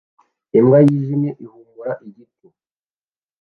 imbwa yijimye ihumura igiti